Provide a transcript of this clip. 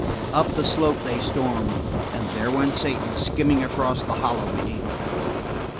Up the slope they stormed and there went Satan skimming across the hollow beneath them.